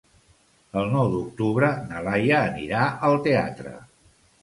El nou d'octubre na Laia anirà al teatre.